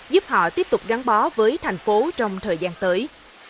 giúp họ tiếp tục gắn bó với thành phố trong thời gian tới